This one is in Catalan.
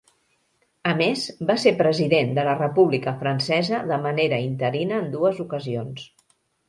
A més, va ser president de la República Francesa de manera interina en dues ocasions.